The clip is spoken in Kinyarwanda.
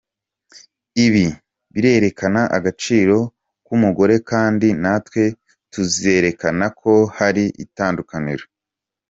Ibi birerekana agaciro k’umugore kandi natwe tuzerekana ko hari itandukaniro”.